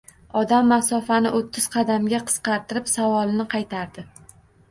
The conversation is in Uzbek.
Odam masofani oʻttiz qadamga qisqartirib, savolini qaytardi